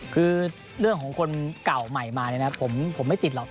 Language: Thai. คือเรื่องของคนเก่าใหม่มาเนี่ยนะผมไม่ติดหรอก